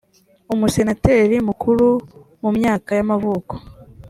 umusenateri mukuru mu myaka y amavuko